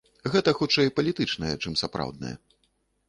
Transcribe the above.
Гэта хутчэй палітычнае, чым сапраўднае.